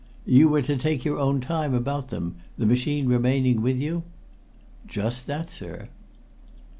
"You were to take your own time about them, the machine remaining with you?" "Just that, sir."